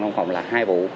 không còn là hai vụ